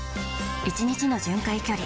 １日の巡回距離